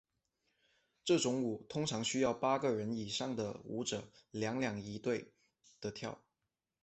这种舞通常需要八个人以上的舞者两两一对地跳。